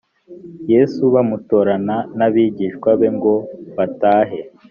yesu bamutorana n abigishwa be ngo batahe